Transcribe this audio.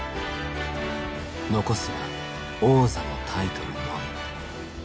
残すは王座のタイトルのみ。